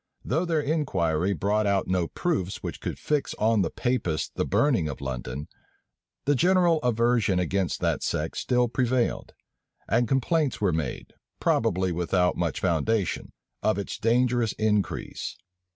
Though their inquiry brought out no proofs which could fix on the Papists the burning of London, the general aversion against that sect still prevailed; and complaints were made, probably without much foundation, of its dangerous increase.